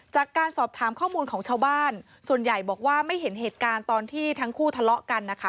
จากการสอบถามข้อมูลของชาวบ้านส่วนใหญ่บอกว่าไม่เห็นเหตุการณ์ตอนที่ทั้งคู่ทะเลาะกันนะคะ